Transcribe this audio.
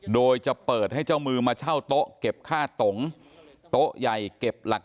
โดยจะเปิดให้เจ้ามือมาเช่าโต๊ะเก็บค่าตงโต๊ะใหญ่เก็บหลักฐาน